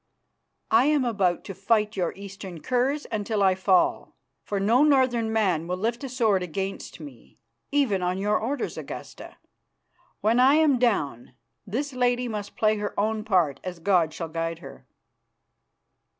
"I am about to fight your eastern curs until I fall, for no northern man will lift a sword against me, even on your orders, Augusta. When I am down, this lady must play her own part as God shall guide her."